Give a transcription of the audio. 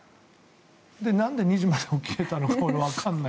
なんで２時まで起きれたのか俺、わかんない。